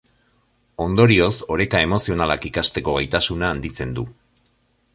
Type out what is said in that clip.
Ondorioz, oreka emozionalak ikasteko gaitasuna handitzen du.